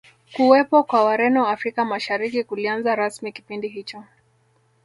Kuwepo kwa Wareno Afrika Mashariki kulianza rasmi kipindi hicho